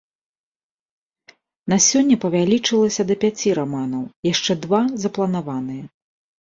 На сёння павялічылася да пяці раманаў, яшчэ два запланаваныя.